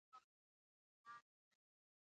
د غرونو منځ کې ځینې سیمې د سړې هوا لپاره مشهوره دي.